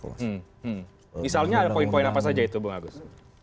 misalnya ada poin poin apa saja itu bung agus